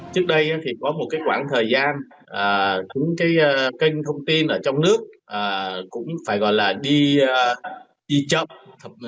trước đây thì có một cái khoảng thời gian cái kênh thông tin ở trong nước cũng phải gọi là đi chậm